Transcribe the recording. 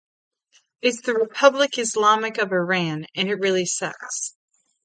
It's the Republic Islamic of Iran and it really sucks.